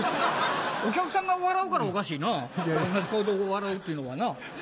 お客さんが笑うからおかしいな「同じ顔」で笑うっていうのはな。